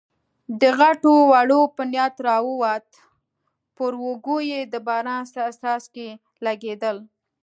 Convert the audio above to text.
د غوټو وړلو په نیت راووت، پر اوږو یې د باران څاڅکي لګېدل.